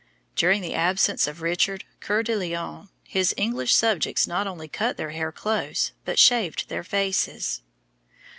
During the absence of Richard Coeur de Lion, his English subjects not only cut their hair close, but shaved their faces.